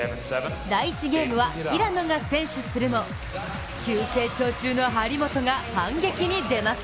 第１ゲームは平野が選手するも急成長中の張本が反撃に出ます。